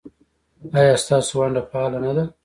ایا ستاسو ونډه فعاله نه ده؟